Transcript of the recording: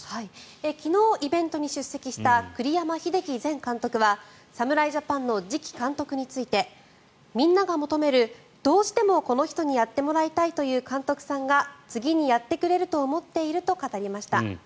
昨日、イベントに出席した栗山英樹前監督は侍ジャパンの次期監督についてみんなが求めるどうしてもこの人にやってもらいたいという監督さんが次にやってくれると思っていると語りました。